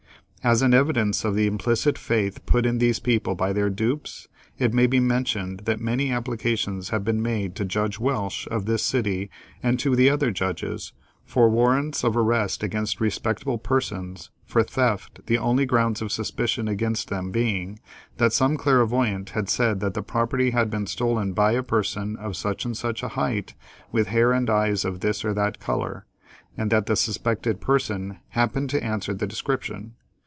As an evidence of the implicit faith put in these people by their dupes, it may be mentioned that many applications have been made to Judge Welsh, of this city, and to the other judges, for warrants of arrest against respectable persons, for theft, the only grounds of suspicion against them being, that some clairvoyant had said that the property had been stolen by a person of such and such a height, with hair and eyes of this or that color, and that the suspected person happened to answer the description.